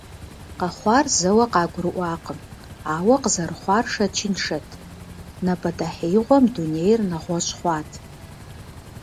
Къэхъуар зэуэ къыгурыӀуакъым, ауэ къызэрыхъуар шэчыншэт, напӀэдэхьеигъуэм дунейр нэгъуэщӀ хъуат.